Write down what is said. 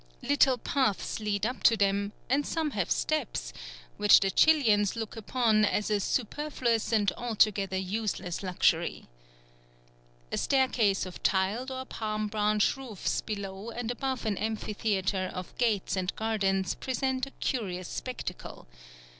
Little paths lead up to them, and some have steps, which the Chilians look upon as a superfluous and altogether useless luxury. A staircase of tiled or palm branch roofs below and above an amphitheatre of gates and gardens present a curious spectacle.